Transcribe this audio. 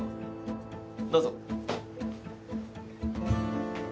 どうぞ。